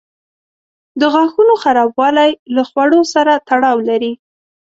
د غاښونو خرابوالی له خواړو سره تړاو لري.